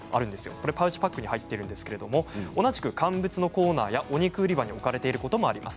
これはパウチパックに入っているんですけれど同じく乾物のコーナーやお肉売り場に置かれていることもあります。